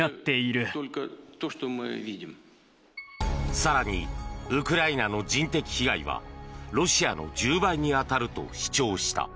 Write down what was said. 更に、ウクライナの人的被害はロシアの１０倍に当たると主張した。